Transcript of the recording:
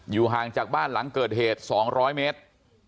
ห่างจากบ้านหลังเกิดเหตุ๒๐๐เมตร